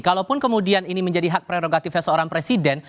kalaupun kemudian ini menjadi hak prerogatifnya seorang presiden